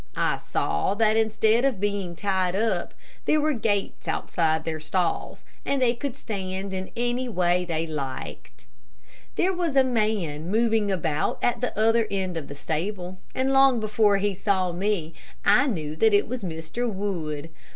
I saw that instead of being tied up, there were gates outside their stalls, and they could stand in any way they liked. There was a man moving about at the other end of the stable, and long before he saw me, I knew that it was Mr. Wood.